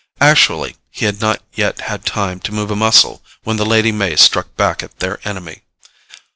Actually he had not yet had time to move a muscle when the Lady May struck back at their enemy.